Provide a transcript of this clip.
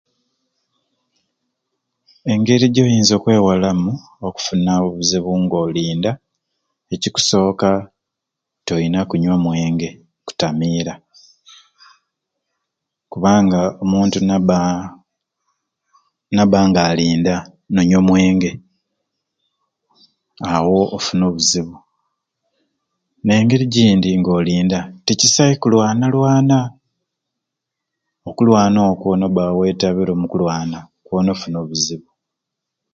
Engeri gyoinza okwewalamu okufuna obuzibu ng'oli nda, ekikusooka tolina kunywa mwenge kutamiira kubanga omuntu nabaa naba nga ali nda nanywa omwenge awo ofuna obuzibu. N'engeri egindi ng'olinda tekisai kulwanalwana okulwana okwo noba nga wetabire omukulwana kwona ofuna obuzibu